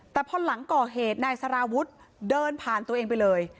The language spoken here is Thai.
แต่พอหลังก่อเหตุนายสารวุฒิเดินผ่านตัวเองไปเลย